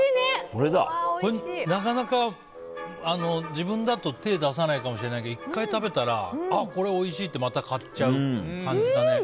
これ、なかなか自分だと手を出さないかもしれないけど１回食べたら、これおいしいってまた買っちゃう感じだね。